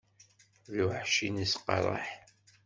Lweḥc-ines iqerreḥ.